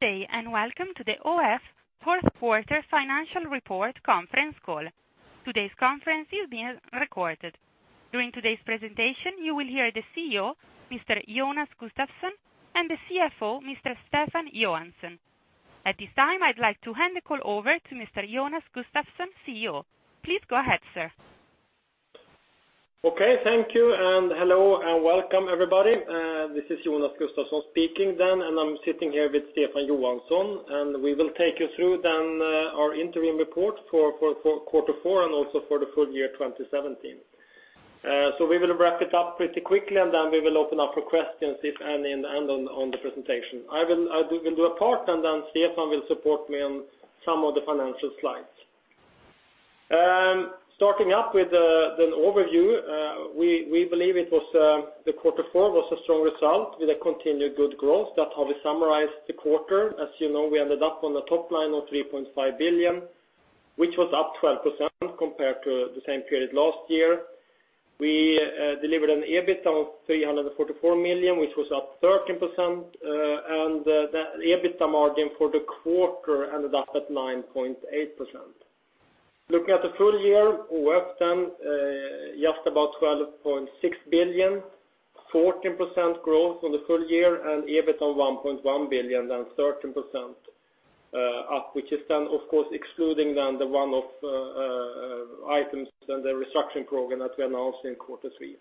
Good day, and welcome to the ÅF fourth quarter financial report conference call. Today's conference is being recorded. During today's presentation, you will hear the CEO, Mr. Jonas Gustavsson, and the CFO, Mr. Stefan Johansson. At this time, I'd like to hand the call over to Mr. Jonas Gustavsson, CEO. Please go ahead, sir. Okay. Thank you, and hello, and welcome, everybody. This is Jonas Gustavsson speaking, and I'm sitting here with Stefan Johansson, and we will take you through our interim report for quarter four, and also for the full year 2017. We will wrap it up pretty quickly, then we will open up for questions at the end on the presentation. I will do a part, then Stefan will support me on some of the financial slides. Starting up with the overview, we believe the quarter four was a strong result with a continued good growth. That's how we summarized the quarter. As you know, we ended up on the top line of 3.5 billion, which was up 12% compared to the same period last year. We delivered an EBITDA of 344 million, which was up 13%, and the EBITDA margin for the quarter ended up at 9.8%. Looking at the full year, AFRY then, just about 12.6 billion, 14% growth on the full year, and EBITDA 1.1 billion, then 13% up, which is then, of course, excluding the one-off items and the restructuring program that we announced in quarter three.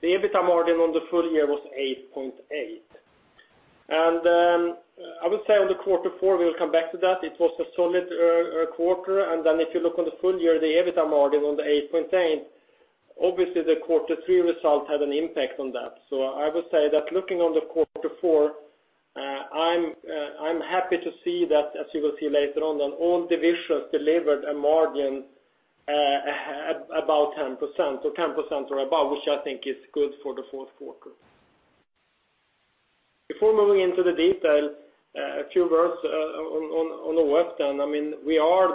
The EBITDA margin on the full year was 8.8%. I would say on the quarter four, we'll come back to that, it was a solid quarter. Then if you look on the full year, the EBITDA margin on the 8.8%, obviously the quarter three results had an impact on that. I would say that looking on the quarter four, I'm happy to see that, as you will see later on, all divisions delivered a margin about 10%, or 10% or above, which I think is good for the fourth quarter. Before moving into the detail, a few words on AFRY then. We are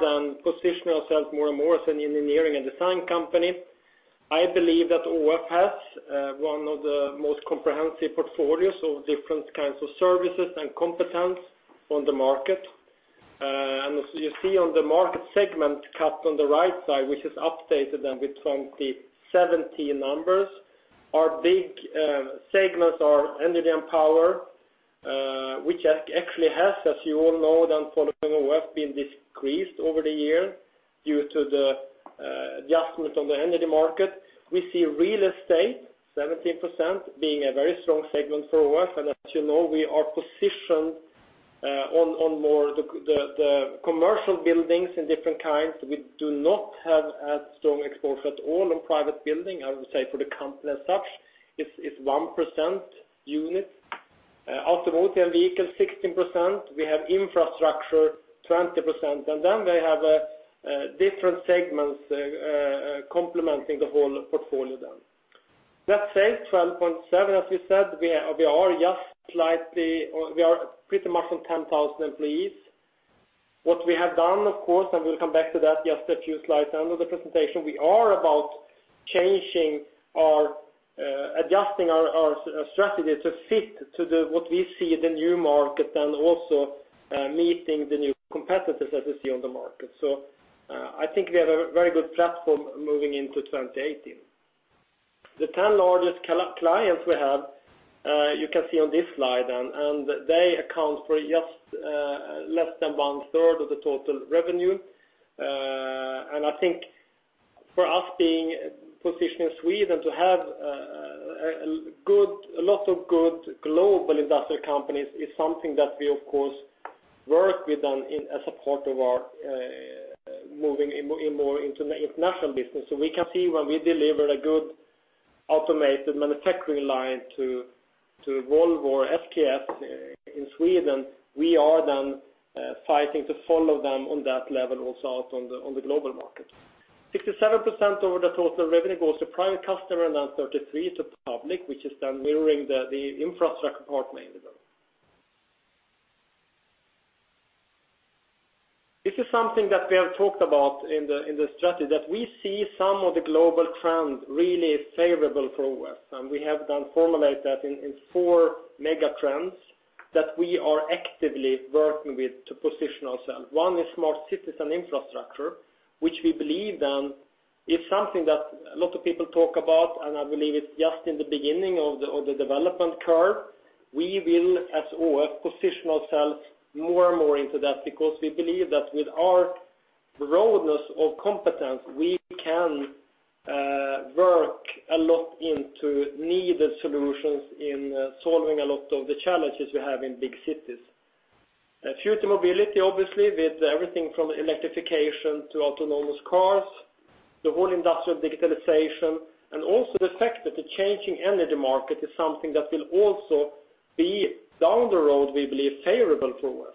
positioning ourselves more and more as an engineering and design company. I believe that AFRY has one of the most comprehensive portfolios of different kinds of services and competence on the market. As you see on the market segment cut on the right side, which is updated with 2017 numbers, our big segments are energy and power, which actually has, as you all know, following AFRY, been decreased over the year due to the adjustment on the energy market. We see real estate, 17%, being a very strong segment for AFRY, and as you know, we are positioned on more the commercial buildings in different kinds. We do not have a strong exposure at all on private building, I would say for the company as such, it's 1% unit. Automotive vehicles 16%. We have infrastructure, 20%. Then we have different segments complementing the whole portfolio then. That said, 12.7, as we said, we are pretty much on 10,000 employees. What we have done, of course, we'll come back to that just a few slides down on the presentation, we are about adjusting our strategy to fit to what we see the new market, also meeting the new competitors as we see on the market. I think we have a very good platform moving into 2018. The 10 largest clients we have, you can see on this slide, they account for just less than one third of the total revenue. I think for us being positioned in Sweden, to have a lot of good global industrial companies is something that we, of course, work with as a part of our moving in more international business. We can see when we deliver a good automated manufacturing line to Volvo or SKF in Sweden, we are then fighting to follow them on that level also on the global market. 67% of the total revenue goes to private customer, 33 to public, which is then mirroring the infrastructure part mainly then. This is something that we have talked about in the strategy, that we see some of the global trends really favorable for AFRY, we have then formulated that in four mega trends that we are actively working with to position ourselves. One is smart cities and infrastructure, which we believe then is something that a lot of people talk about, I believe it's just in the beginning of the development curve. We will, as AFRY, position ourselves more and more into that because we believe that with our broadness of competence, we can work a lot into needed solutions in solving a lot of the challenges we have in big cities. Future mobility, obviously, with everything from electrification to autonomous cars, the whole industrial digitalization, also the fact that the changing energy market is something that will also be, down the road, we believe, favorable for us.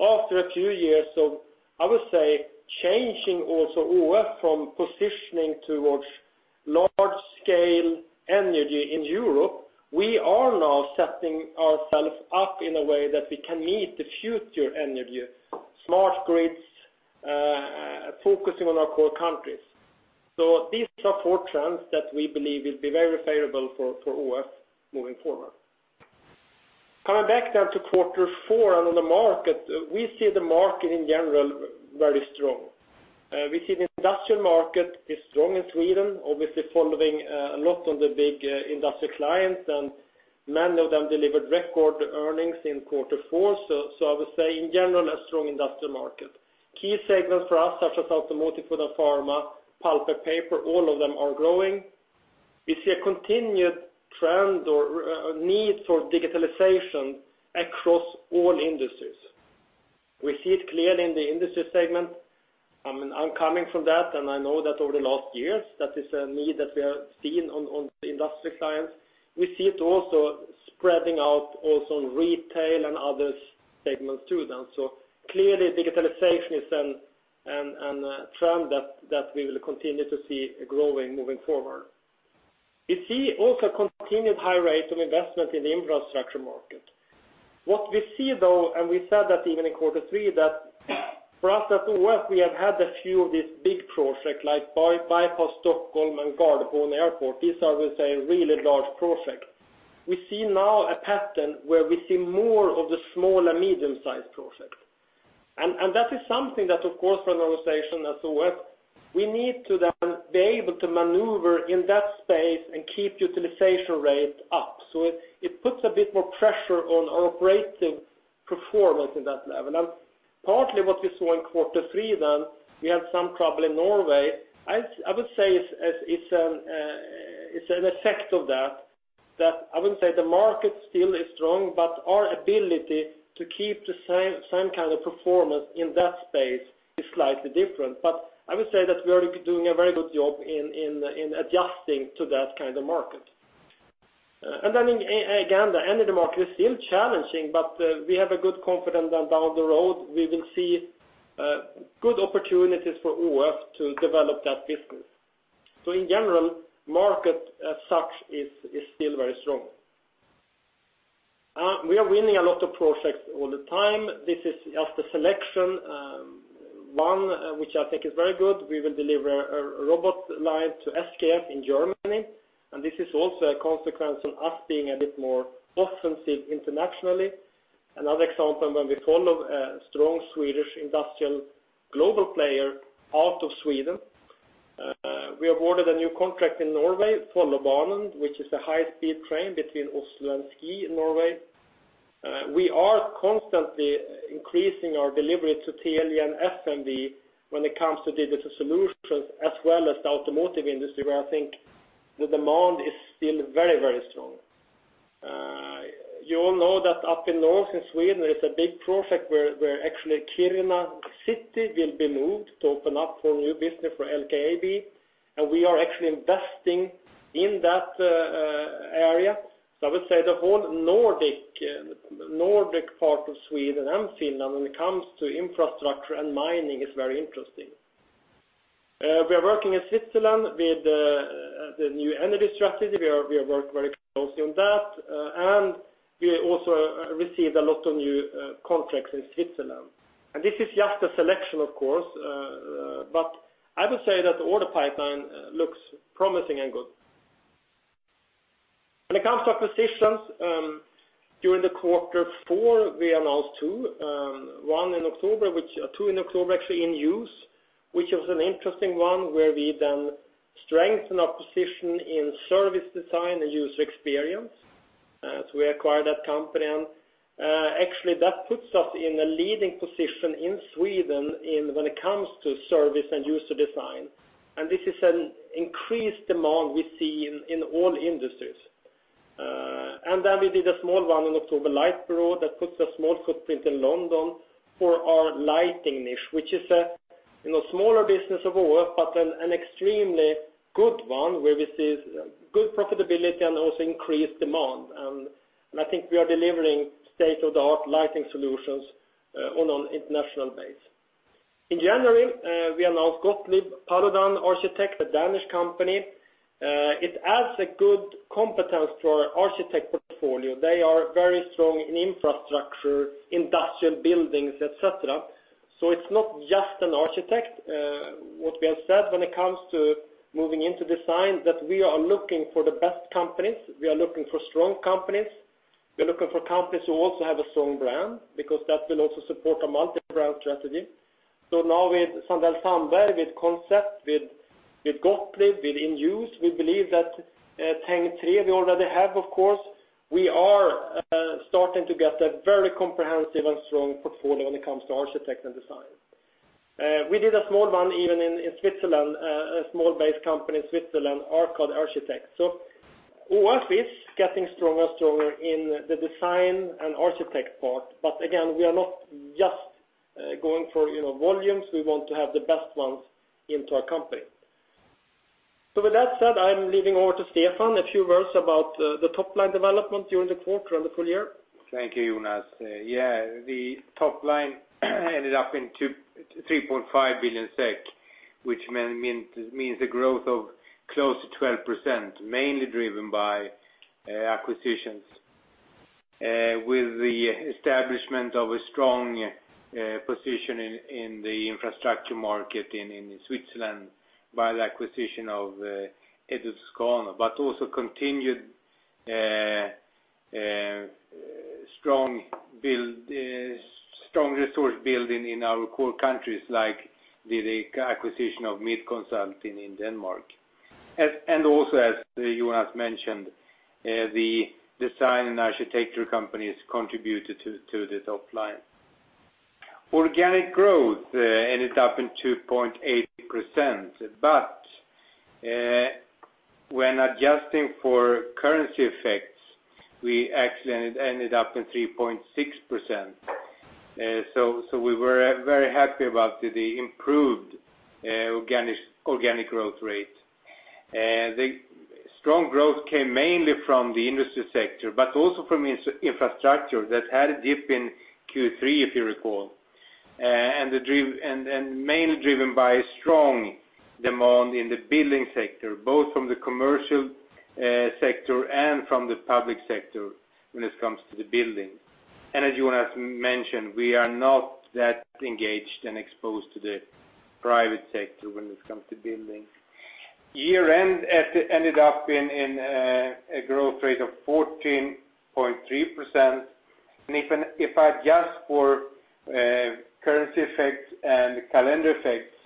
After a few years of, I would say, changing also AFRY from positioning towards large-scale energy in Europe, we are now setting ourself up in a way that we can meet the future energy, smart grids, focusing on our core countries. These are four trends that we believe will be very favorable for ÅF moving forward. Coming back now to quarter four on the market, we see the market in general very strong. We see the industrial market is strong in Sweden, obviously following a lot on the big industrial clients, many of them delivered record earnings in quarter four. I would say in general, a strong industrial market. Key segments for us, such as automotive, food and pharma, pulp and paper, all of them are growing. We see a continued trend or a need for digitalization across all industries. We see it clearly in the industry segment. I'm coming from that, I know that over the last years, that is a need that we have seen on the industrial clients. We see it also spreading out also in retail other segments too then. Clearly digitalization is a trend that we will continue to see growing moving forward. We see also continued high rates of investment in the infrastructure market. What we see though, we said that even in quarter three, that for us at ÅF, we have had a few of these big projects like Förbifart Stockholm and Gardermoen Airport. These are, we say, really large projects. We see now a pattern where we see more of the small- and medium-sized projects. That is something that, of course, for an organization as ÅF, we need to then be able to maneuver in that space and keep utilization rates up. It puts a bit more pressure on our operating performance in that level. Partly what we saw in quarter three then, we had some trouble in Norway. I would say it's an effect of that I wouldn't say the market still is strong, but our ability to keep the same kind of performance in that space is slightly different. I would say that we are doing a very good job in adjusting to that kind of market. Then again, the energy market is still challenging, but we have a good confidence that down the road we will see good opportunities for ÅF to develop that business. In general, market as such is still very strong. We are winning a lot of projects all the time. This is just a selection, one which I think is very good. We will deliver a robot line to SKF in Germany. This is also a consequence of us being a bit more offensive internationally. Another example, when we follow a strong Swedish industrial global player out of Sweden. We awarded a new contract in Norway for Follobanen, which is a high-speed train between Oslo and Ski in Norway. We are constantly increasing our delivery to Telia and FMV when it comes to Digital Solutions as well as the automotive industry, where I think the demand is still very strong. You all know that up in north in Sweden, there is a big project where actually Kiruna city will be moved to open up for new business for LKAB. We are actually investing in that area. I would say the whole Nordic part of Sweden and Finland when it comes to infrastructure and mining is very interesting. We are working in Switzerland with the new energy strategy. We are working very closely on that. We also received a lot of new contracts in Switzerland. This is just a selection, of course, but I would say that the order pipeline looks promising and good. When it comes to acquisitions, during the quarter four, we announced two in October actually, inUse, which was an interesting one where we then strengthen our position in service design and user experience. We acquired that company. Actually that puts us in a leading position in Sweden when it comes to service and user design. This is an increased demand we see in all industries. Then we did a small one in October, Light Bureau, that puts a small footprint in London for our lighting niche, which is a smaller business of ÅF, but an extremely good one where we see good profitability and also increased demand. I think we are delivering state-of-the-art lighting solutions on an international base. In January, we announced Gottlieb Paludan Architects, a Danish company. It adds a good competence for architect portfolio. They are very strong in infrastructure, industrial buildings, et cetera. It's not just an architect. What we have said when it comes to moving into design, that we are looking for the best companies, we are looking for strong companies, we are looking for companies who also have a strong brand, because that will also support a multi-brand strategy. Now with sandellsandberg, with Koncept, with Gottlieb, with inUse, we believe that, Tengbom, we already have, of course, we are starting to get a very comprehensive and strong portfolio when it comes to architect and design. We did a small one even in Switzerland, a small base company in Switzerland, Arcad Architects. ÅF is getting stronger and stronger in the design and architect part. Again, we are not just going for volumes. We want to have the best ones into our company. With that said, I'm leaving over to Stefan. A few words about the top-line development during the quarter and the full year. Thank you, Jonas. The top line ended up in 3.5 billion SEK, which means a growth of close to 12%, mainly driven by acquisitions. With the establishment of a strong position in the infrastructure market in Switzerland by the acquisition of Edy Toscano, also continued strong resource building in our core countries like the acquisition of Midtconsult in Denmark. As Jonas mentioned, the design and architecture companies contributed to the top line. Organic growth ended up in 2.8%, when adjusting for currency effects, we actually ended up in 3.6%. We were very happy about the improved organic growth rate. The strong growth came mainly from the industry sector, but also from infrastructure that had a dip in Q3, if you recall. Mainly driven by strong demand in the building sector, both from the commercial sector and from the public sector when it comes to the building. As Jonas mentioned, we are not that engaged and exposed to the private sector when it comes to building. Year-end ended up in a growth rate of 14.3%, and if I adjust for currency effects and calendar effects,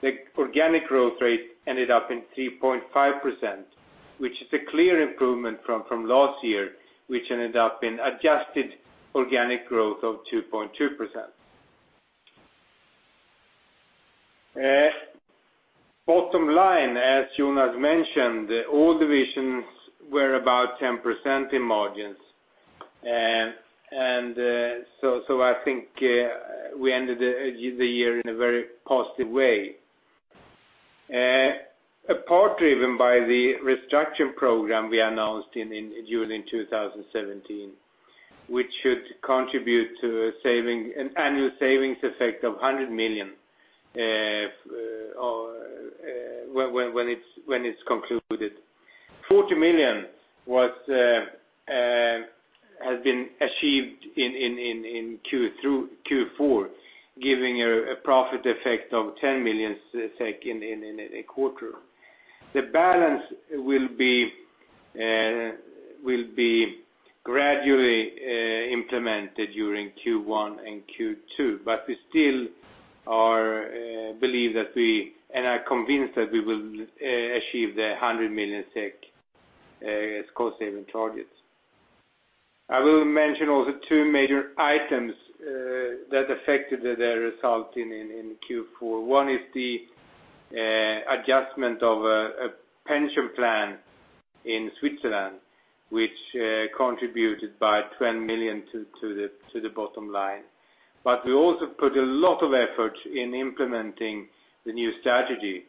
the organic growth rate ended up in 3.5%, which is a clear improvement from last year, which ended up in adjusted organic growth of 2.2%. Bottom line, as Jonas mentioned, all divisions were about 10% in margins. I think we ended the year in a very positive way. Part driven by the restructure program we announced during 2017, which should contribute to an annual savings effect of 100 million when it's concluded. 40 million has been achieved in Q4, giving a profit effect of 10 million SEK in a quarter. The balance will be gradually implemented during Q1 and Q2. We still believe and are convinced that we will achieve the 100 million SEK cost-saving targets. I will mention also two major items that affected the result in Q4. One is the adjustment of a pension plan in Switzerland, which contributed by 10 million to the bottom line. We also put a lot of effort in implementing the new strategy.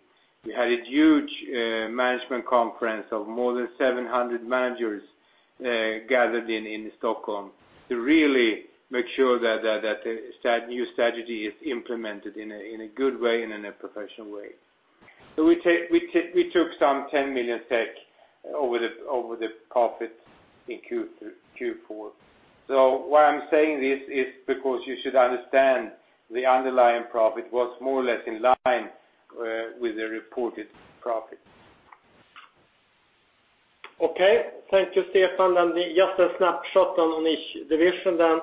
We had a huge management conference of more than 700 managers gathered in Stockholm to really make sure that the new strategy is implemented in a good way and in a professional way. We took some 10 million SEK over the profit in Q4. Why I'm saying this is because you should understand the underlying profit was more or less in line with the reported profit. Okay. Thank you, Stefan. Just a snapshot on each division then.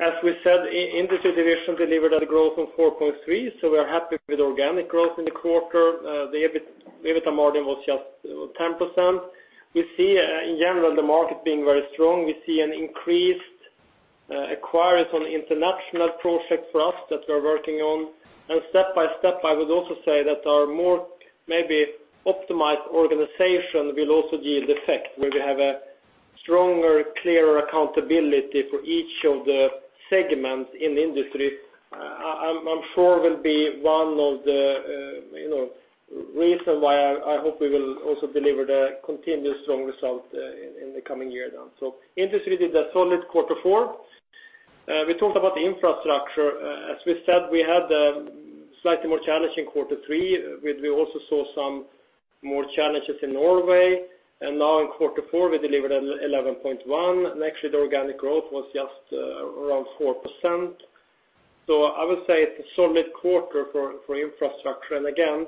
As we said, industry division delivered a growth of 4.3%, so we are happy with organic growth in the quarter. The EBITDA margin was just 10%. We see in general the market being very strong. We see an increased acquisition on international project for us that we are working on. Step by step, I would also say that our more maybe optimized organization will also yield effect, where we have a stronger, clearer accountability for each of the segments in the industry. I'm sure will be one of the reason why I hope we will also deliver the continuous strong result in the coming year then. Industry did a solid quarter four. We talked about the infrastructure. As we said, we had a slightly more challenging quarter three, where we also saw some more challenges in Norway. Now in quarter four, we delivered 11.1%, and actually the organic growth was just around 4%. I would say it's a solid quarter for infrastructure. Again,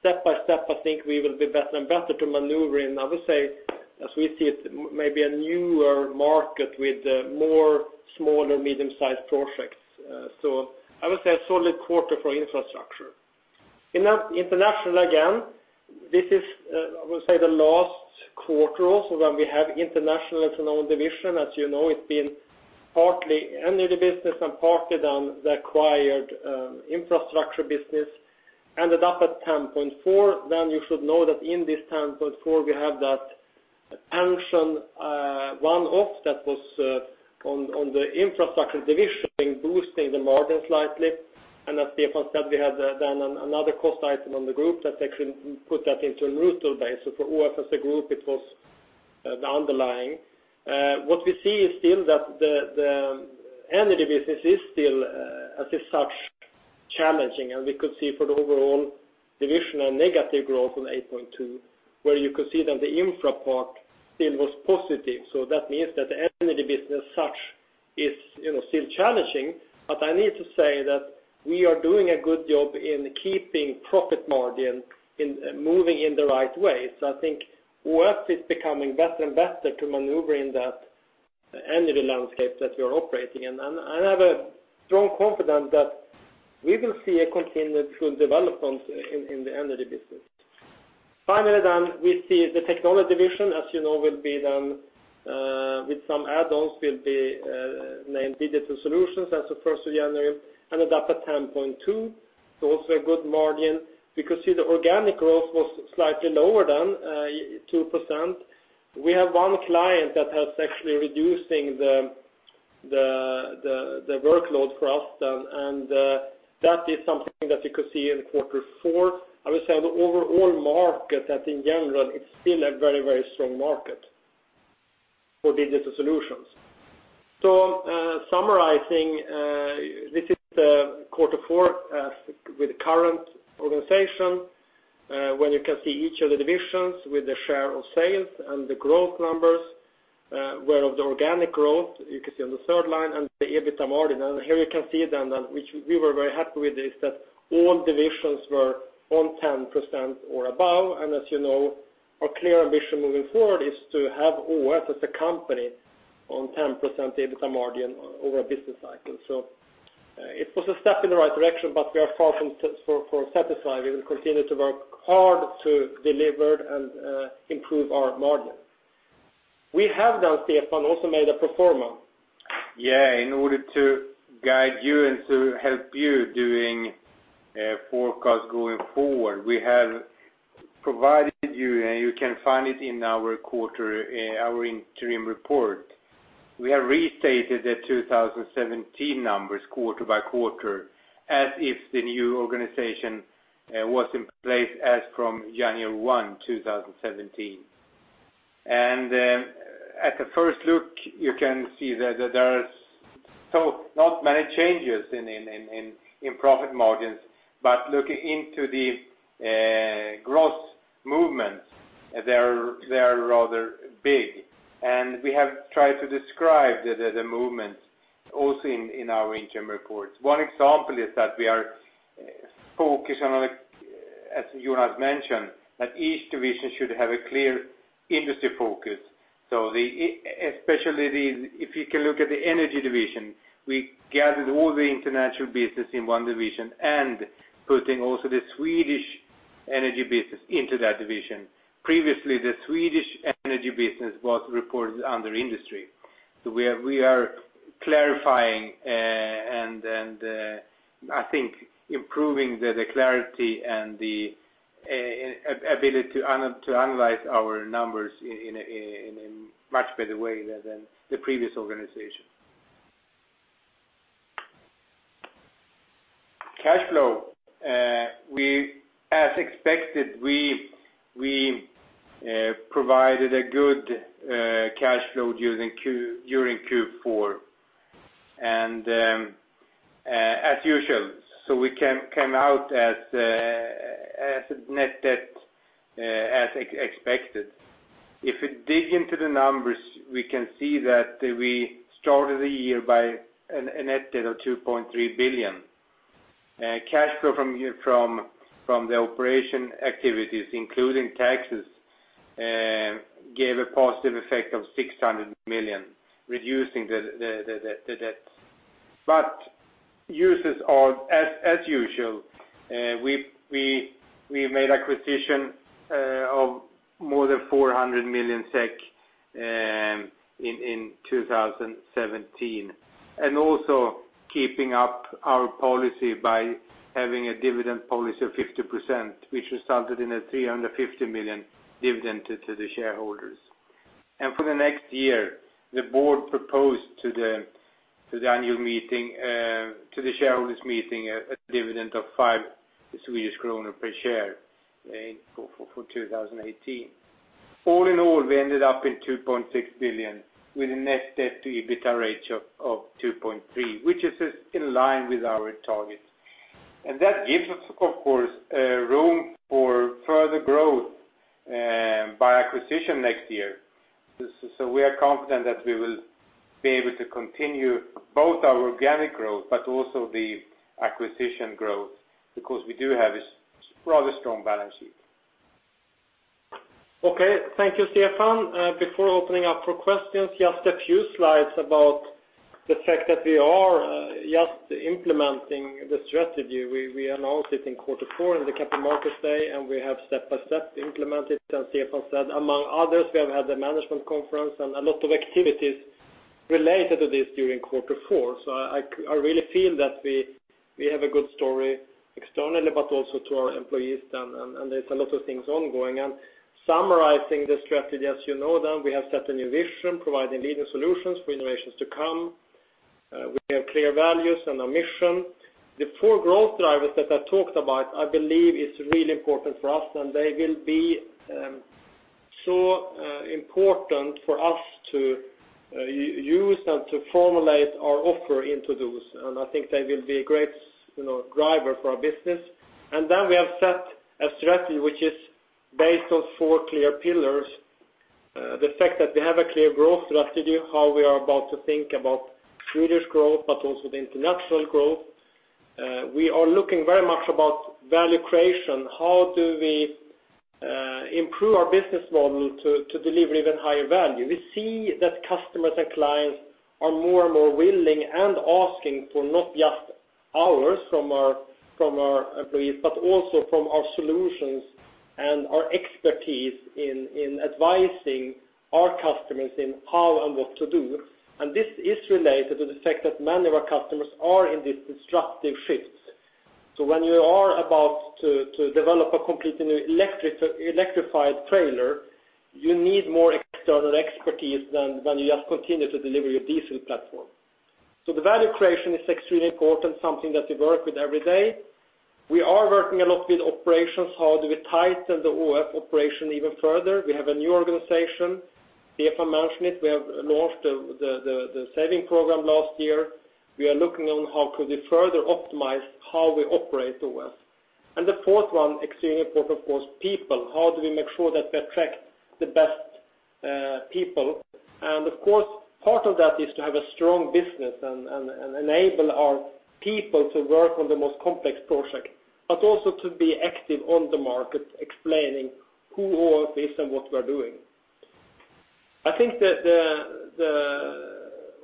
step by step, I think we will be better and better to maneuver in, I would say, as we see it, maybe a newer market with more small or medium-sized projects. I would say a solid quarter for infrastructure. International, again, this is, I would say the last quarter also where we have international as an own division. As you know, it's been partly energy business and partly then the acquired infrastructure business, ended up at 10.4%. You should know that in this 10.4%, we have that pension one-off that was on the infrastructure division, boosting the margin slightly. As Stefan said, we have another cost item on the group that actually put that into a neutral base. For us as a group, it was the underlying. What we see is still that the energy business is still as such challenging, and we could see for the overall division a negative growth of 8.2%, where you could see that the infra part still was positive. That means that the energy business as such is still challenging. I need to say that we are doing a good job in keeping profit margin moving in the right way. I think we are actually becoming better and better to maneuver in that energy landscape that we are operating in. I have a strong confidence that we will see a continued good development in the energy business. Finally, we see the Technology Division, as you know, with some add-ons, will be named Digital Solutions as of 1st of January, ended up at 10.2%. Also a good margin. We could see the organic growth was slightly lower than 2%. We have one client that has actually reducing the workload for us, and that is something that you could see in quarter four. I will say on the overall market that in general it's still a very strong market for Digital Solutions. Summarizing, this is the quarter four with the current organization, where you can see each of the divisions with the share of sales and the growth numbers, where of the organic growth you can see on the third line and the EBITDA margin. Here you can see, which we were very happy with, is that all divisions were on 10% or above. As you know, our clear ambition moving forward is to have us as a company on 10% EBITDA margin over a business cycle. It was a step in the right direction, but we are far from satisfied. We will continue to work hard to deliver and improve our margin. We have done, Stefan, also made a pro forma. In order to guide you and to help you doing forecast going forward, we have provided you, and you can find it in our interim report. We have restated the 2017 numbers quarter by quarter as if the new organization was in place as from January 1, 2017. At the first look, you can see that there are not many changes in profit margins, but looking into the gross movements, they are rather big. We have tried to describe the movements also in our interim reports. One example is that we are focused on, as Jonas mentioned, that each division should have a clear industry focus. Especially if you can look at the energy division, we gathered all the international business in one division and putting also the Swedish energy business into that division. Previously, the Swedish energy business was reported under industry. We are clarifying and, I think, improving the clarity and the ability to analyze our numbers in a much better way than the previous organization. Cash flow. As expected, we provided a good cash flow during Q4. As usual, we came out as net debt as expected. If we dig into the numbers, we can see that we started the year by a net debt of 2.3 billion. Cash flow from the operation activities, including taxes, gave a positive effect of 600 million, reducing the debt. Uses are as usual. We made acquisition of more than 400 million SEK in 2017. Also keeping up our policy by having a dividend policy of 50%, which resulted in a 350 million dividend to the shareholders. For the next year, the board proposed to the shareholders meeting a dividend of 5 Swedish kronor per share for 2018. All in all, we ended up in 2.6 billion with a net debt to EBITDA ratio of 2.3, which is in line with our target. That gives us, of course, room for further growth by acquisition next year. We are confident that we will be able to continue both our organic growth, but also the acquisition growth, because we do have a rather strong balance sheet. Okay. Thank you, Stefan. Before opening up for questions, just a few slides about the fact that we are just implementing the strategy. We announced it in Q4 in the capital markets day, we have step by step implemented, as Stefan said. Among others, we have had the management conference and a lot of activities related to this during Q4. I really feel that we have a good story externally, but also to our employees, and there's a lot of things ongoing. Summarizing the strategy, as you know, we have set a new vision, providing leading solutions for innovations to come. We have clear values and a mission. The four growth drivers that I talked about, I believe is really important for us, important for us to use and to formulate our offer into those, I think they will be a great driver for our business. We have set a strategy which is based on four clear pillars. The fact that we have a clear growth strategy, how we are about to think about Swedish growth, but also the international growth. We are looking very much about value creation, how do we improve our business model to deliver even higher value? We see that customers and clients are more and more willing and asking for not just hours from our employees, but also from our solutions and our expertise in advising our customers in how and what to do. This is related to the fact that many of our customers are in these destructive shifts. When you are about to develop a complete new electrified trailer, you need more external expertise than you just continue to deliver your diesel platform. The value creation is extremely important, something that we work with every day. We are working a lot with operations. How do we tighten the ÅF operation even further? We have a new organization. If I mention it, we have launched the saving program last year. We are looking on how could we further optimize how we operate ÅF. The fourth one, extremely important, of course, people. How do we make sure that we attract the best people? Of course, part of that is to have a strong business and enable our people to work on the most complex project, but also to be active on the market explaining who ÅF is and what we are doing. I think that the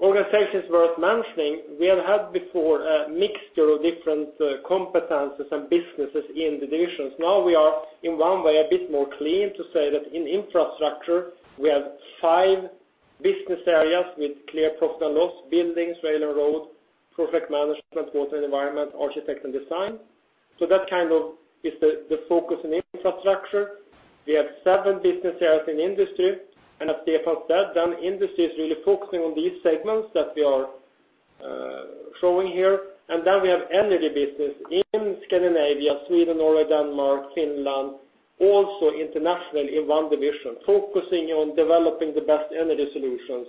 organization is worth mentioning. We have had before a mixture of different competencies and businesses in divisions. Now we are, in one way, a bit more clean to say that in infrastructure, we have five business areas with clear profit and loss, Buildings, Rail and Road, Project Management, Water and Environment, Architect and Design. That kind of is the focus in infrastructure. We have seven business areas in industry, as Stefan said, industry is really focusing on these segments that we are showing here. We have energy business in Scandinavia, Sweden, Norway, Denmark, Finland, also internationally in one division, focusing on developing the best energy solutions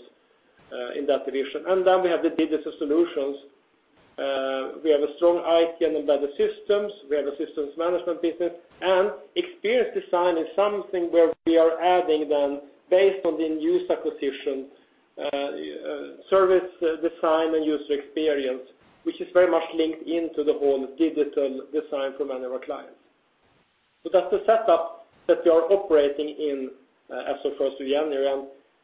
in that division. We have the Digital Solutions. We have a strong IT and embedded systems. We have a systems management business, and experience design is something where we are adding then based on the new acquisition, service design and user experience, which is very much linked into the whole digital design for many of our clients. That's the setup that we are operating in as of 1st of January.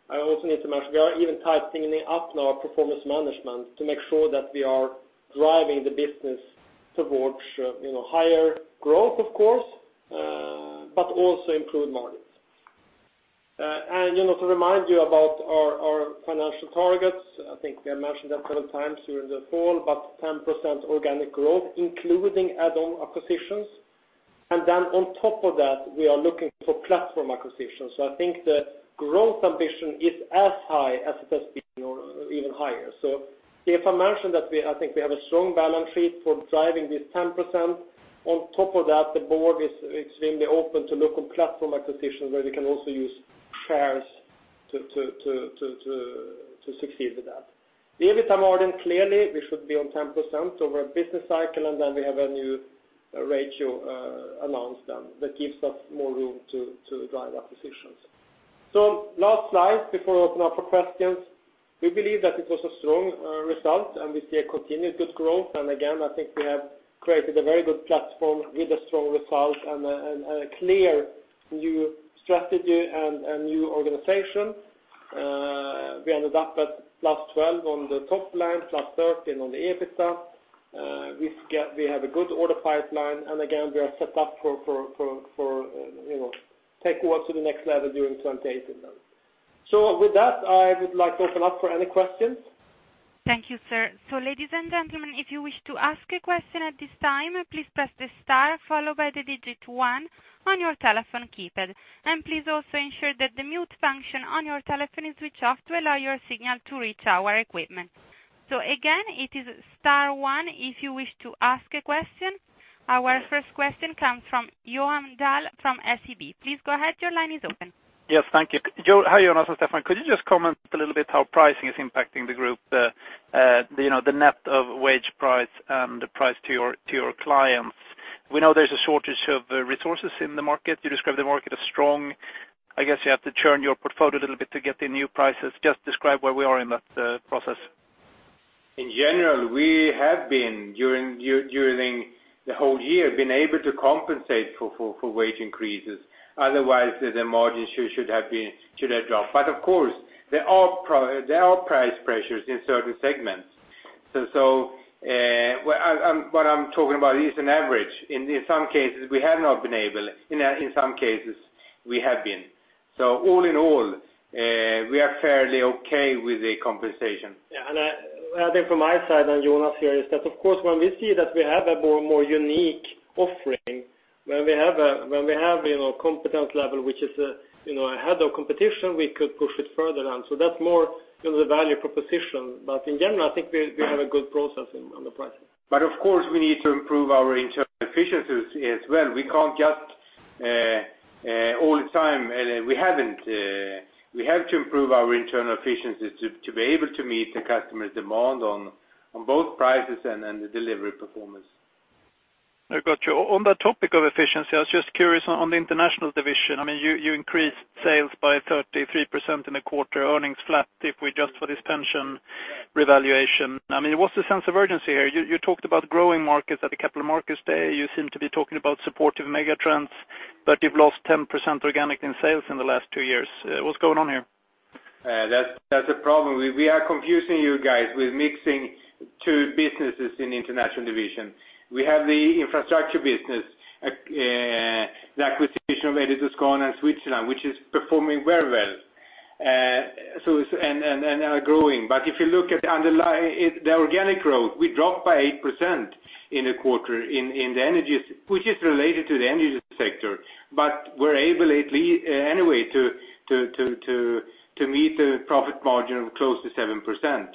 I also need to mention we are even tightening up now our performance management to make sure that we are driving the business towards higher growth, of course, but also improve margins. To remind you about our financial targets, I think we have mentioned that several times during the fall, 10% organic growth, including add-on acquisitions. On top of that, we are looking for platform acquisitions. I think the growth ambition is as high as it has been or even higher. If I mention that I think we have a strong balance sheet for driving this 10%. On top of that, the board is extremely open to look on platform acquisitions where we can also use shares to succeed with that. The EBITDA margin, clearly, we should be on 10% over a business cycle, we have a new ratio announced that gives us more room to drive acquisitions. Last slide before I open up for questions. We believe that it was a strong result, and we see a continued good growth. I think we have created a very good platform with a strong result and a clear new strategy and a new organization. We ended up at +12% on the top line, +13% on the EBITDA. We have a good order pipeline, and again, we are set up for take what to the next level during 2018 then. With that, I would like to open up for any questions. Thank you, sir. Ladies and gentlemen, if you wish to ask a question at this time, please press the star followed by the digit 1 on your telephone keypad. Please also ensure that the mute function on your telephone is switched off to allow your signal to reach our equipment. Again, it is star one, if you wish to ask a question. Our first question comes from Johan Dahl from SEB. Please go ahead. Your line is open. Yes. Thank you. Hi, Jonas and Stefan. Could you just comment a little bit how pricing is impacting the group, the net of wage price and the price to your clients? We know there's a shortage of resources in the market. You describe the market as strong. I guess you have to churn your portfolio a little bit to get the new prices. Just describe where we are in that process. In general, we have been, during the whole year, been able to compensate for wage increases. Otherwise, the margin should have dropped. Of course, there are price pressures in certain segments. What I'm talking about is an average. In some cases, we have not been able. In some cases, we have been. All in all, we are fairly okay with the compensation. Yeah, I think from my side and Jonas here is that, of course, when we see that we have a more unique offering, when we have competence level which is ahead of competition, we could push it further on. That's more the value proposition. In general, I think we have a good process on the pricing. Of course, we need to improve our internal efficiencies as well. All the time. We have to improve our internal efficiencies to be able to meet the customer demand on both prices and the delivery performance. I got you. On the topic of efficiency, I was just curious on the international division. You increased sales by 33% in a quarter, earnings flat if we adjust for this pension revaluation. What's the sense of urgency here? You talked about growing markets at the capital markets day. You seem to be talking about supportive mega trends, but you've lost 10% organic in sales in the last two years. What's going on here? That's a problem. We are confusing you guys with mixing two businesses in the international division. We have the infrastructure business, the acquisition of Edy Toscano in Switzerland, which is performing very well and are growing. If you look at the organic growth, we dropped by 8% in a quarter, which is related to the energy sector. We're able anyway to meet the profit margin of close to 7%.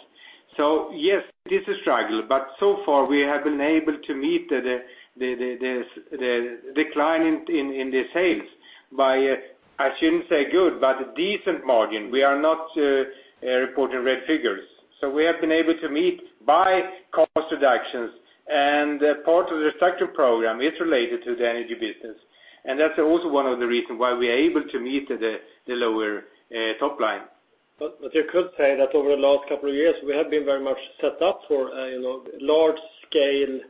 Yes, it is a struggle, but so far we have been able to meet the decline in the sales by, I shouldn't say good, but a decent margin. We are not reporting red figures. We have been able to meet by cost reductions and part of the restructure program is related to the energy business. That's also one of the reasons why we are able to meet the lower top line. You could say that over the last couple of years, we have been very much set up for a large-scale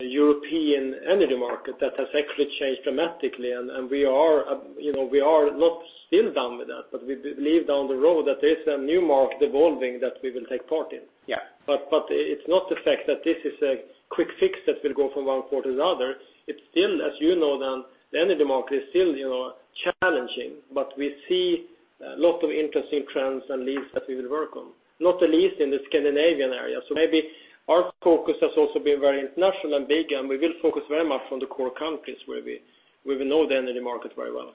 European energy market that has actually changed dramatically. We are not still done with that, we believe down the road that there is a new market evolving that we will take part in. Yeah. It's not the fact that this is a quick fix that will go from one quarter to the other. It's still, as you know, the energy market is still challenging. We see a lot of interesting trends and leads that we will work on, not the least in the Scandinavian area. Maybe our focus has also been very international and big, and we will focus very much on the core countries where we know the energy market very well.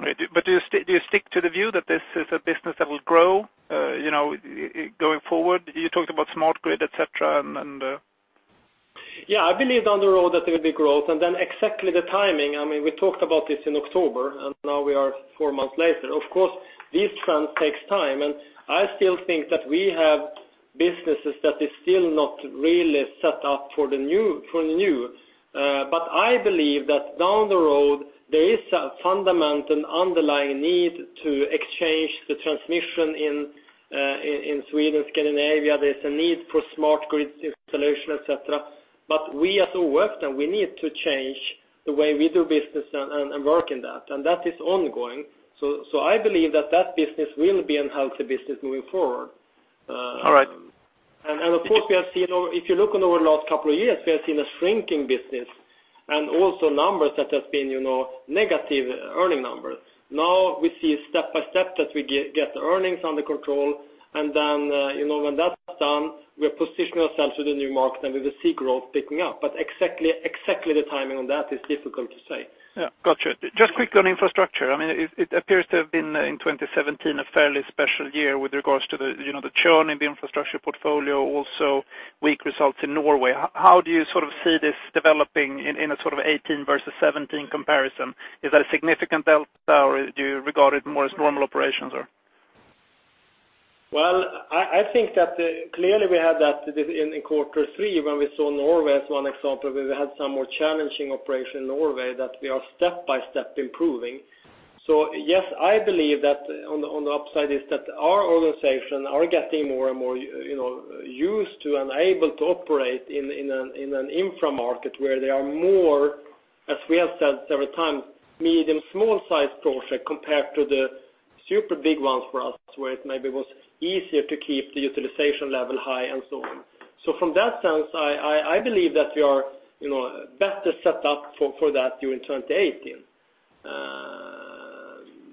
Right. Do you stick to the view that this is a business that will grow going forward? You talked about smart grid, et cetera. Yeah, I believe down the road that there will be growth, exactly the timing. We talked about this in October, and now we are four months later. Of course, these trends take time. I still think that we have businesses that are still not really set up for the new. I believe that down the road, there is a fundamental underlying need to exchange the transmission in Sweden, Scandinavia. There's a need for smart grid installation, et cetera. We as ÅF then, we need to change the way we do business and work in that, and that is ongoing. I believe that that business will be a healthy business moving forward. All right. Of course, if you look on our last couple of years, we have seen a shrinking business and also numbers that have been negative earning numbers. Now we see step by step that we get earnings under control. When that's done, we are positioning ourselves to the new market. We will see growth picking up. Exactly the timing on that is difficult to say. Yeah. Got you. Just quickly on infrastructure. It appears to have been, in 2017, a fairly special year with regards to the churn in the infrastructure portfolio, also weak results in Norway. How do you see this developing in a sort of 2018 versus 2017 comparison? Is that a significant delta, or do you regard it more as normal operations or? I think that clearly we had that in quarter three when we saw Norway as one example, where we had some more challenging operation in Norway that we are step by step improving. Yes, I believe that on the upside is that our organization are getting more and more used to and able to operate in an infra market where there are more, as we have said several times, medium, small-sized projects compared to the super big ones for us, where it maybe was easier to keep the utilization level high and so on. From that sense, I believe that we are better set up for that during 2018.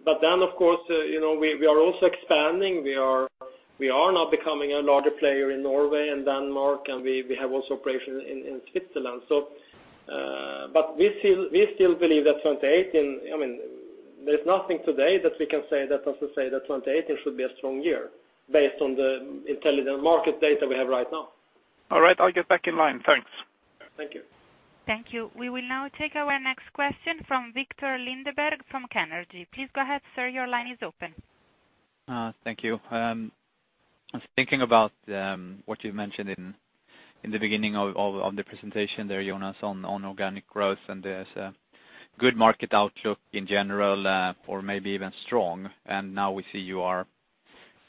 Of course, we are also expanding. We are now becoming a larger player in Norway and Denmark. We have also operations in Switzerland. We still believe that there's nothing today that we can say that doesn't say that 2018 should be a strong year based on the intelligent market data we have right now. All right. I'll get back in line. Thanks. Thank you. Thank you. We will now take our next question from Viktor Lindeberg from Carnegie. Please go ahead, sir. Your line is open. Thank you. I was thinking about what you mentioned in the beginning of the presentation there, Jonas, on organic growth. There's a good market outlook in general or maybe even strong. Now we see you are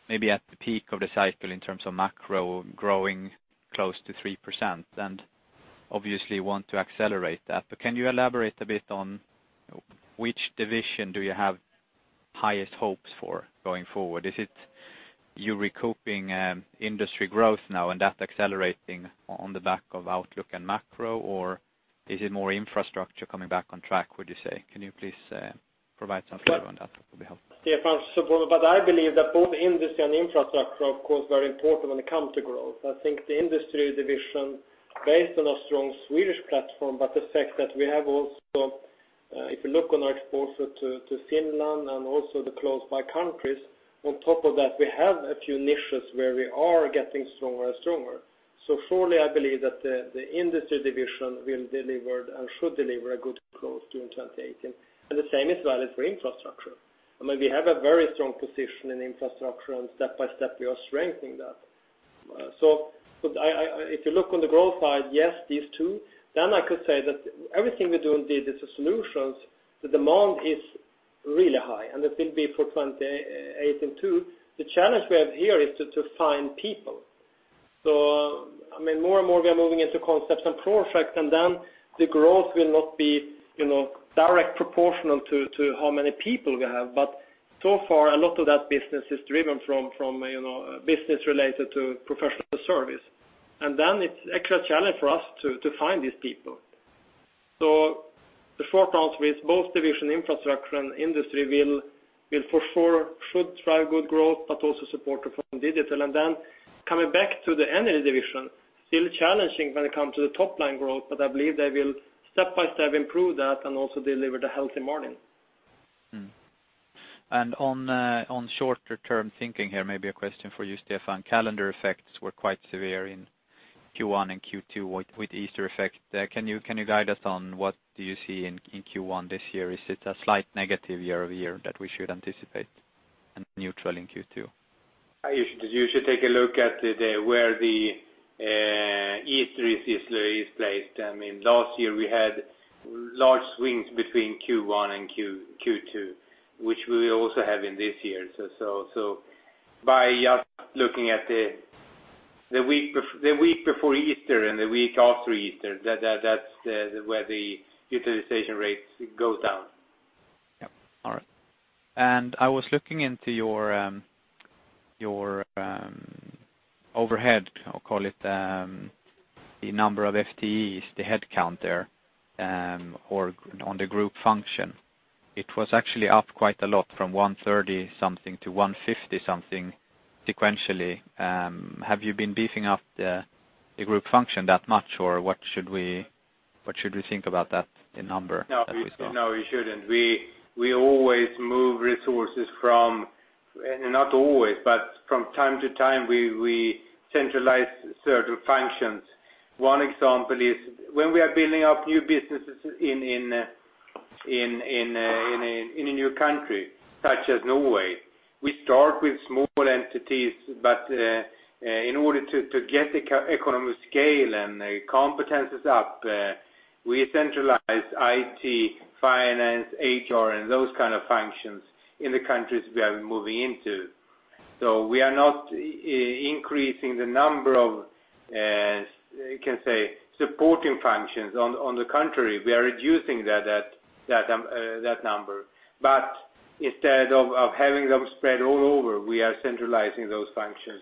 maybe at the peak of the cycle in terms of macro growing close to 3% and obviously want to accelerate that. Can you elaborate a bit on which division do you have highest hopes for going forward? Is it you recouping industry growth now and that accelerating on the back of outlook and macro, or is it more infrastructure coming back on track, would you say? Can you please provide some flavor on that? That would be helpful. I believe that both industry and infrastructure, of course, are very important when it comes to growth. I think the industry division based on a strong Swedish platform, the fact that we have also, if you look on our exposure to Finland and also the close by countries, on top of that, we have a few niches where we are getting stronger and stronger. Surely I believe that the industry division will deliver and should deliver a good growth during 2018, and the same is valid for infrastructure. We have a very strong position in infrastructure, and step by step we are strengthening that. If you look on the growth side, yes, these two. I could say that everything we do in Digital Solutions, the demand is really high, and it will be for 2018 too. The challenge we have here is to find people. More and more we are moving into concepts and projects, then the growth will not be direct proportional to how many people we have. So far, a lot of that business is driven from business related to professional service. Then it's actually a challenge for us to find these people. The forecast with both division infrastructure and industry will for sure drive good growth, but also supported from Digital. Coming back to the energy division, still challenging when it comes to the top-line growth, but I believe they will step by step improve that and also deliver the healthy margin. On shorter term thinking here, maybe a question for you, Stefan. Calendar effects were quite severe in Q1 and Q2 with Easter effect. Can you guide us on what do you see in Q1 this year? Is it a slight negative year-over-year that we should anticipate and neutral in Q2? You should take a look at where the Easter is placed. Last year we had large swings between Q1 and Q2, which we will also have in this year. By just looking at the week before Easter and the week after Easter, that's where the utilization rates go down. Yep. All right. I was looking into your overhead, I'll call it, the number of FTEs, the headcount there on the group function. It was actually up quite a lot from 130 something to 150 something sequentially. Have you been beefing up the group function that much, or what should we think about that, the number that we saw? No, you shouldn't. We always move resources from, not always, but from time to time, we centralize certain functions. One example is when we are building up new businesses in a new country, such as Norway, we start with small entities. In order to get the economic scale and the competencies up, we centralize IT, finance, HR, and those kind of functions in the countries we are moving into. We are not increasing the number of, you can say, supporting functions. On the contrary, we are reducing that number. Instead of having them spread all over, we are centralizing those functions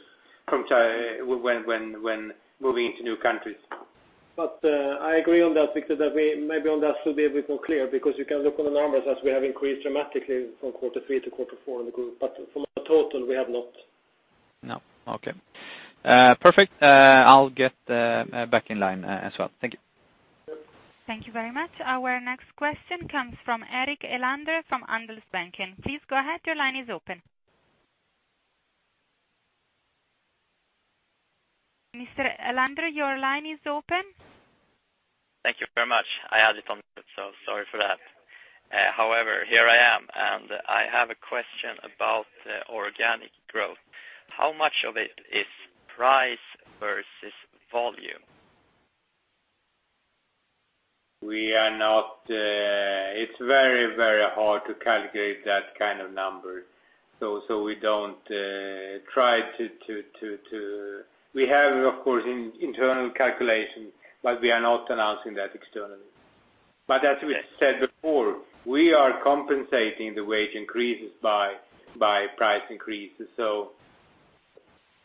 when moving into new countries. I agree on that, Viktor, that maybe on that should be a bit more clear, because you can look on the numbers as we have increased dramatically from quarter three to quarter four in the group. From a total, we have not. No. Okay. Perfect. I'll get back in line as well. Thank you. Thank you very much. Our next question comes from Erik Elander from Handelsbanken. Please go ahead, your line is open. Mr. Elander, your line is open. Thank you very much. I had it on mute, sorry for that. Here I am, I have a question about organic growth. How much of it is price versus volume? It's very hard to calculate that kind of number. We don't try to. We have, of course, internal calculation, we are not announcing that externally. As we said before, we are compensating the wage increases by price increases.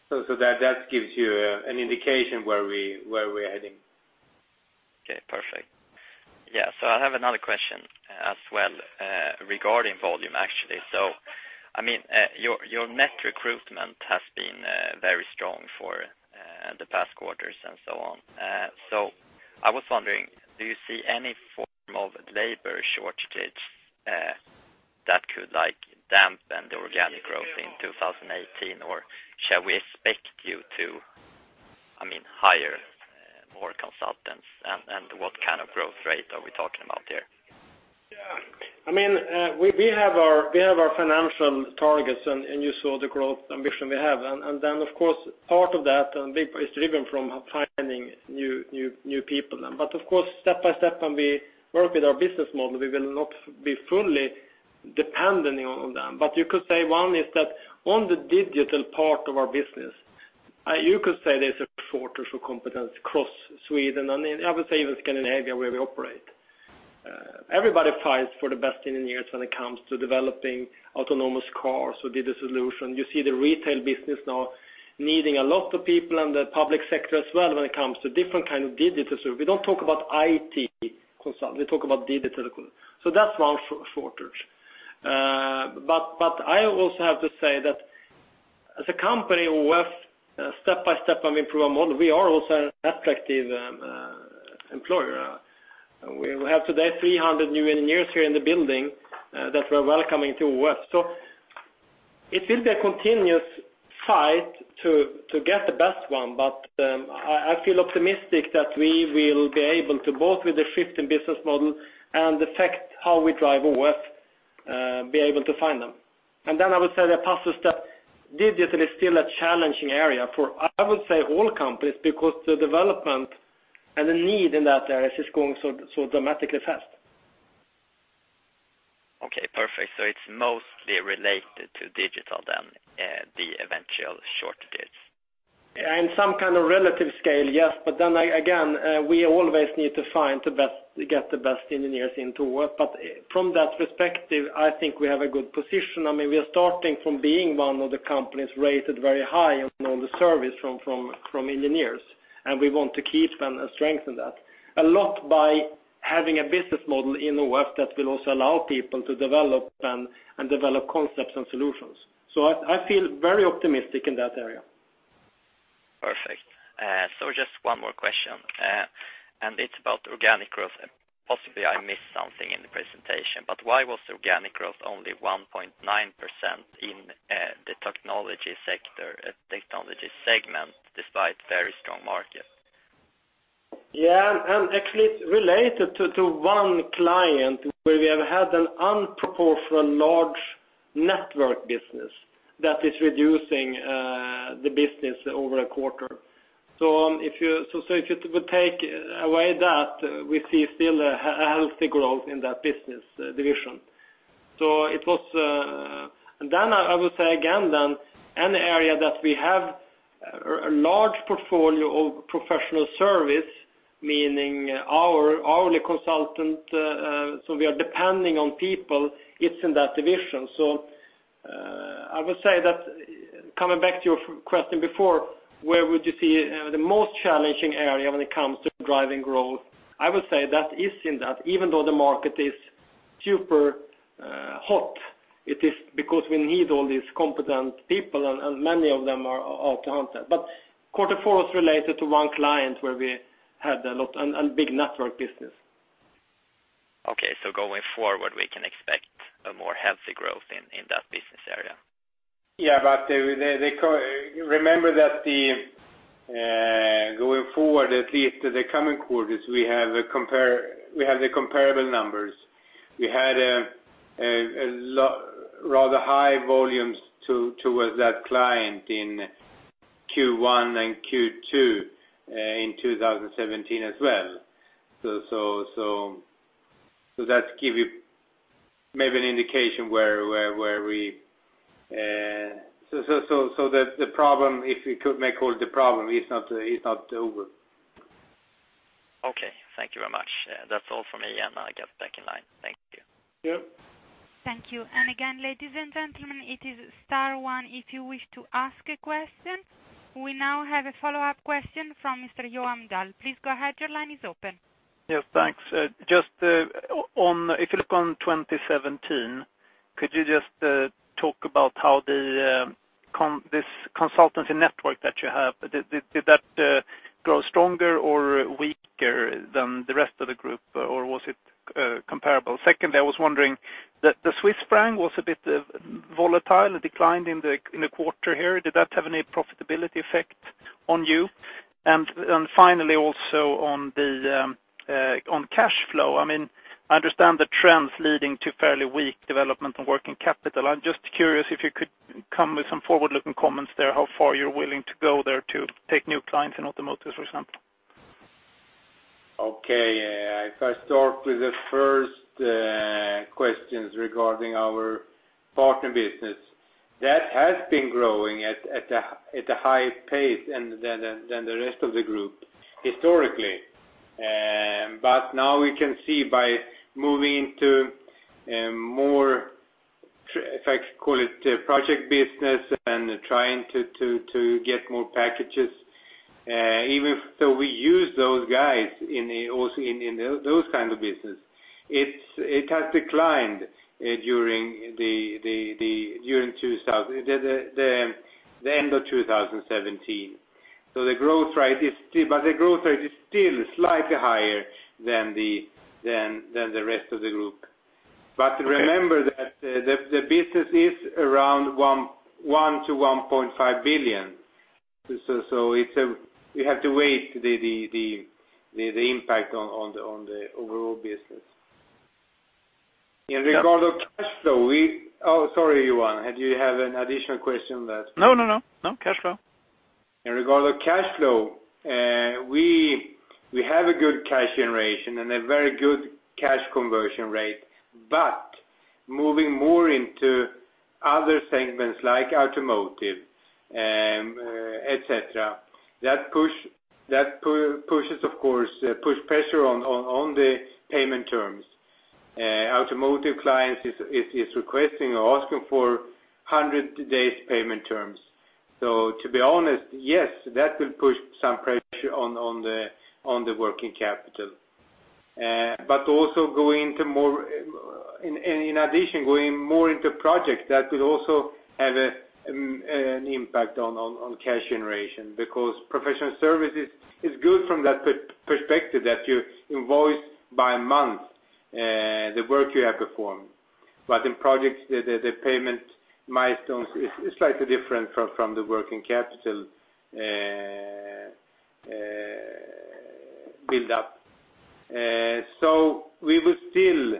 That gives you an indication where we're heading. Okay, perfect. Yeah. I have another question as well regarding volume, actually. Your net recruitment has been very strong for the past quarters and so on. I was wondering, do you see any form of labor shortage that could dampen the organic growth in 2018, or shall we expect you to hire more consultants? What kind of growth rate are we talking about here? Yeah. We have our financial targets. You saw the growth ambition we have. Of course, part of that is driven from finding new people. Of course, step by step, when we work with our business model, we will not be fully dependent on them. You could say one is that on the digital part of our business, you could say there is a shortage of competence across Sweden, and I would say even Scandinavia, where we operate. Everybody fights for the best engineers when it comes to developing autonomous cars or digital solution. You see the retail business now needing a lot of people in the public sector as well when it comes to different kind of digital service. We don't talk about IT consult, we talk about digital consult. That's one shortage. I also have to say that as a company, we have step by step improved our model. We are also an attractive employer. We have today 300 new engineers here in the building that we are welcoming to us. It will be a continuous fight to get the best one, but I feel optimistic that we will be able to, both with the shift in business model and the fact how we drive onward, be able to find them. I would say the process that digital is still a challenging area for, I would say all companies, because the development and the need in that area is just growing so dramatically fast. Okay, perfect. It's mostly related to digital then, the eventual shortages. In some kind of relative scale, yes. Then again, we always need to get the best engineers into work. From that perspective, I think we have a good position. We are starting from being one of the companies rated very high on all the service from engineers, and we want to keep and strengthen that. A lot by having a business model in the work that will also allow people to develop and develop concepts and solutions. I feel very optimistic in that area. Perfect. Just one more question, and it is about organic growth, and possibly I missed something in the presentation, why was organic growth only 1.9% in the Technology Segment despite very strong market? Yeah. Actually, it is related to one client where we have had an unproportionally large network business that is reducing the business over a quarter. If you would take away that, we see still a healthy growth in that business division. Then I would say again then, any area that we have a large portfolio of professional service, meaning hourly consultant, we are depending on people, it is in that division. I would say that, coming back to your question before, where would you see the most challenging area when it comes to driving growth? I would say that is in that, even though the market is super hot, it is because we need all these competent people, and many of them are out hunting. Quarter four is related to one client where we had a lot, and big network business. Okay, going forward, we can expect a more healthy growth in that business area? Yeah, remember that going forward, at least the coming quarters, we have the comparable numbers. We had rather high volumes towards that client in Q1 and Q2 in 2017 as well. That give you maybe an indication where. The problem, if we could make all the problem, is not over. Okay. Thank you very much. That's all from me. I get back in line. Thank you. Yep. Thank you. Again, ladies and gentlemen, it is star one if you wish to ask a question. We now have a follow-up question from Mr. Johan Dahl. Please go ahead. Your line is open. Yes, thanks. If you look on 2017, could you just talk about how this consultancy network that you have, did that grow stronger or weaker than the rest of the group? Was it comparable? Second, I was wondering, the Swiss franc was a bit volatile. It declined in the quarter here. Did that have any profitability effect on you? Finally, also on cash flow, I understand the trends leading to fairly weak development on working capital. I'm just curious if you could come with some forward-looking comments there, how far you're willing to go there to take new clients in automotive, for example. Okay. If I start with the first questions regarding our partner business, that has been growing at a high pace than the rest of the group historically. Now we can see by moving into more, if I could call it, project business and trying to get more packages. We use those guys also in those kind of business. It has declined during the end of 2017. The growth rate is still slightly higher than the rest of the group. Remember that the business is around 1 billion-1.5 billion. We have to weigh the impact on the overall business. In regard to cash flow, Oh, sorry, Johan, do you have an additional question? No, no. No, cash flow. In regard to cash flow, we have a good cash generation and a very good cash conversion rate, Moving more into other segments like automotive, et cetera, that push pressure on the payment terms. Automotive clients is requesting or asking for 100 days payment terms. To be honest, yes, that will push some pressure on the working capital. Also in addition, going more into projects, that will also have an impact on cash generation, because professional services is good from that perspective that you invoice by month the work you have performed. In projects, the payment milestones is slightly different from the working capital build-up. We will still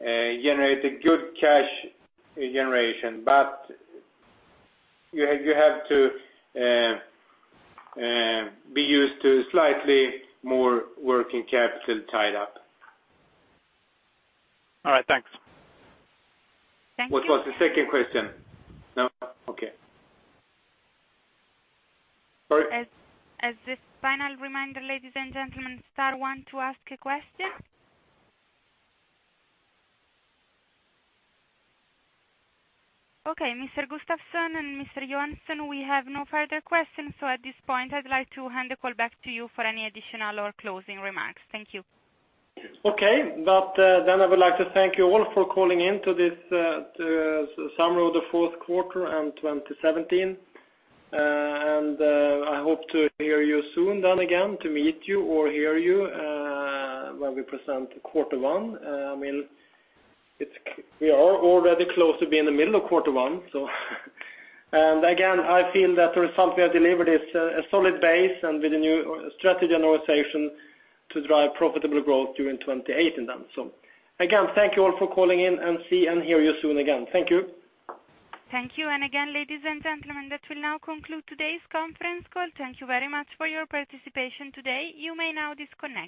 generate a good cash generation, but you have to be used to slightly more working capital tied up. All right. Thanks. Thank you. What was the second question? No? Okay. As the final reminder, ladies and gentlemen, star one to ask a question. Mr. Gustavsson and Mr. Johansson, we have no further questions. At this point, I'd like to hand the call back to you for any additional or closing remarks. Thank you. I would like to thank you all for calling in to this summary of the fourth quarter and 2017. I hope to hear you soon then again, to meet you or hear you when we present quarter one. We are already close to being in the middle of quarter one. Again, I feel that the result we have delivered is a solid base and with a new strategy and organization to drive profitable growth during 2018 and then. Again, thank you all for calling in, and see and hear you soon again. Thank you. Thank you. Again, ladies and gentlemen, that will now conclude today's conference call. Thank you very much for your participation today. You may now disconnect